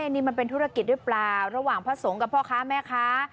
นี่มันเป็นธุรกิจหรือเปล่าระหว่างพระสงฆ์กับพ่อค้าแม่ค้า